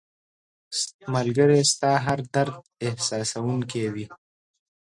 ملګری ستا هر درد احساسوونکی وي